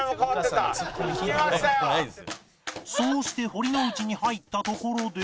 そうして堀之内に入ったところで